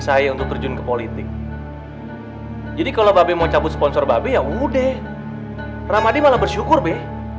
saya untuk terjun ke politik jadi kalau babe mau cabut sponsor babi ya udah ramadhan malah bersyukur deh